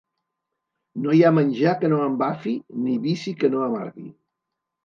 No hi ha menjar que no embafi, ni vici que no amargui.